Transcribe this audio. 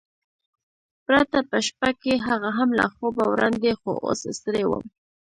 پرته په شپه کې، هغه هم له خوبه وړاندې، خو اوس ستړی وم.